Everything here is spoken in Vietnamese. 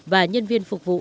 và nhân viên phục vụ